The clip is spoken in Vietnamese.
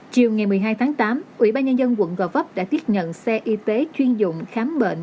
chiều ngày một mươi hai tháng tám ủy ban nhân dân quận gò vấp đã tiếp nhận xe y tế chuyên dụng khám bệnh